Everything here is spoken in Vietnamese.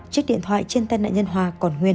chiếc điện thoại trên tên nạn nhân hòa còn nguyên